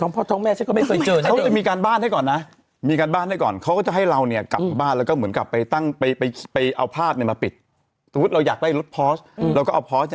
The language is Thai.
เพราะว่ามันไม่เข้าขายหลอกล่วงเหรอคะ